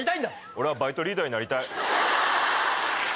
俺はバイトリーダーになりたい。